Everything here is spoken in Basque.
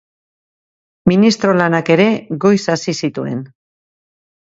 Ministro lanak ere, goiz hasi zituen.